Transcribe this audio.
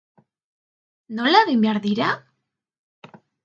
Nola egin behar dira?